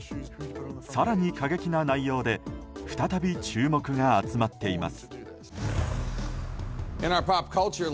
更に過激な内容で再び注目が集まっています。